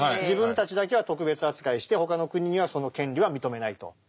自分たちだけは特別扱いして他の国にはその権利は認めないと。